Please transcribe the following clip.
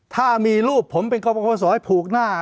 ถ้ามีรูปผมเป็นกวงกฎบบศให้พูกหน้า